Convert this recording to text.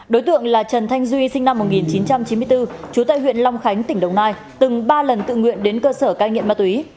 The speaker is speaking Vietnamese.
đối tượng là trần thanh duy sinh năm một nghìn chín trăm chín mươi bốn chú tại huyện long khánh tỉnh đồng nai từng ba lần tự nguyện đến cơ sở cai nghiện ma túy